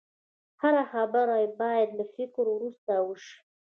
هره خبره باید له فکرو وروسته وشي